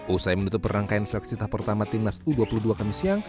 usai menutup rangkaian seleksi tahap pertama timnas u dua puluh dua kami siang